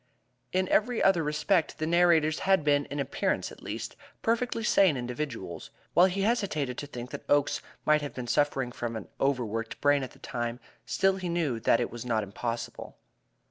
In every other respect the narrators had been, in appearance at least, perfectly sane individuals. While he hesitated to think that Oakes might have been suffering from an overworked brain at the time, still he knew that it was not impossible.